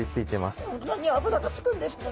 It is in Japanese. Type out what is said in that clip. こんなに脂がつくんですね